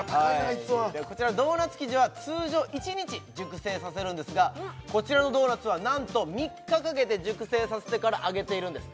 いつはこちらドーナツ生地は通常１日熟成させるんですがこちらのドーナツはなんと３日かけて熟成させてから揚げているんです